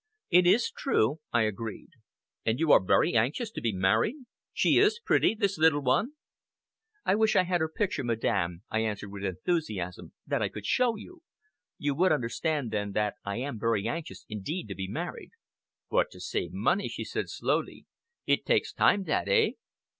"It is true," I agreed. "And you are very anxious to be married! She is pretty, this little one?" "I wish I had her picture, Madame," I answered with enthusiasm, "that I could show you. You would understand, then, that I am very anxious indeed to be married." "But to save money!" she said slowly, "it takes time that, eh?"